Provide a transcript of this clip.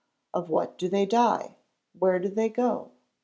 Of what do they die? Where 2 'do they go?